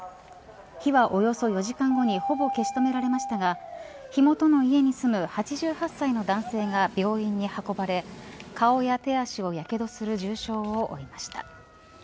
火は、およそ４時間後にほぼ消し止められましたが火元の家に住む８８歳の男性が病院に運ばれ顔や手足をやけどする重傷を負いました。